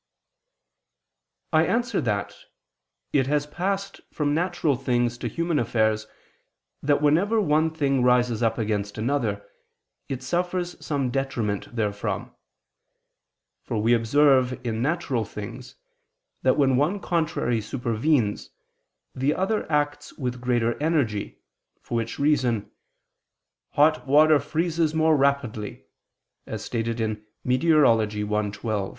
I answer that, It has passed from natural things to human affairs that whenever one thing rises up against another, it suffers some detriment therefrom. For we observe in natural things that when one contrary supervenes, the other acts with greater energy, for which reason "hot water freezes more rapidly," as stated in Meteor. i, 12.